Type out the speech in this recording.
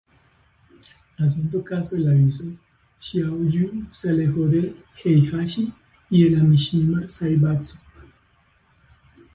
Haciendo caso del aviso, Xiaoyu se alejó de Heihachi y de la Mishima Zaibatsu.